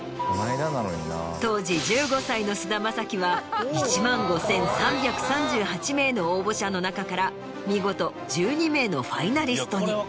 当時１５歳の菅田将暉は１万５３３８名の応募者の中から見事１２名のファイナリストに。